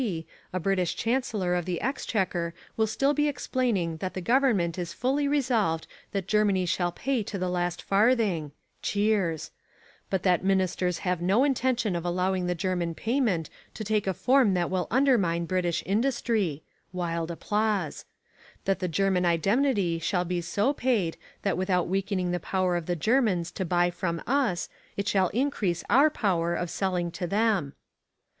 D., a British Chancellor of the Exchequer will still be explaining that the government is fully resolved that Germany shall pay to the last farthing (cheers): but that ministers have no intention of allowing the German payment to take a form that will undermine British industry (wild applause): that the German indemnity shall be so paid that without weakening the power of the Germans, to buy from us it shall increase our power of selling to them.